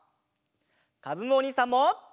かずむおにいさんも！